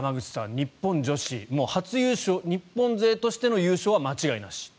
日本人初日本勢としての優勝は間違いなし。